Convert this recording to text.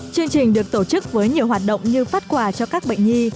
chương trình được tổ chức với nhiều hoạt động như phát quà cho các bệnh nhi